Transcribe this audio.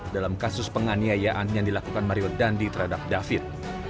dalam kasus penganiayaan yang dilakukan mario dandi terhadap david